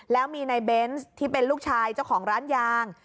แล้วมีในเบนส์ที่เป็นลูกชายเจ้าของร้านยาง